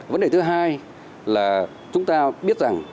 vấn đề thứ hai là chúng ta biết rằng